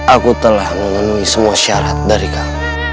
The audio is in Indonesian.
aku telah menenuhi semua syarat dari kamu